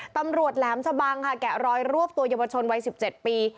ตำรวจแหลมชะบังค่ะแกะรอยรวบตัวยมประชนวัยสิบเจ็ดปี